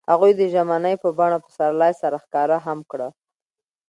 هغوی د ژمنې په بڼه پسرلی سره ښکاره هم کړه.